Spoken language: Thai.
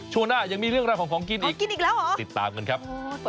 สวัสดีครับ